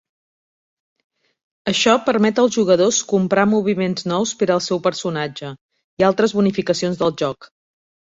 Això permet als jugadors comprar moviments nous per al seu personatge i altres bonificacions del joc.